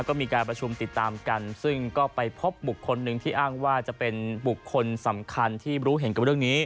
ก็มีการประชุมติดตามกันซึ่งก็ไปพบบุคคลหนึ่งที่อ้างว่าจะเป็นบุคคลสำคัญที่รู้เห็นกับเรื่องนี้